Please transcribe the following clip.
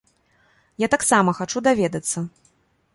Я таксама хачу даведацца!